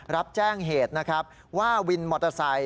รับแจ้งเหตุนะครับว่าวินมอเตอร์ไซค